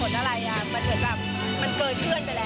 กดอย่างวัยจริงเห็นพี่แอนทองผสมเจ้าหญิงแห่งโมงการบันเทิงไทยวัยที่สุดค่ะ